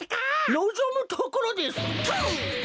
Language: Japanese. のぞむところです！